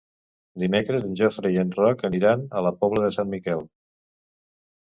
Dimecres en Jofre i en Roc aniran a la Pobla de Sant Miquel.